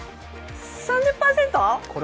３０％？